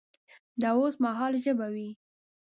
د اوس مهال ژبه وي